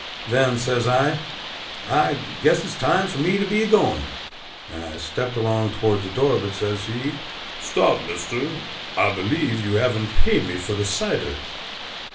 Then says I, "I guess it's time for me to be a going," and I stept along towards the door; but says he, "Stop, mister: I believe you haven't paid me for the cider?"